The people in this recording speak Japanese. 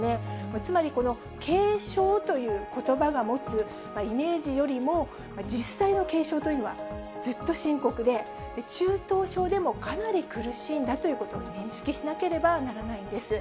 つまり、この軽症ということばが持つイメージよりも、実際の軽症というのはずっと深刻で、中等症でもかなり苦しいんだということを、認識しなければならないんです。